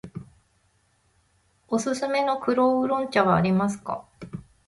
おすすめの黒烏龍茶はありますか。